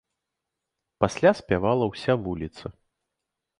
Пасля спявала ўся вуліца.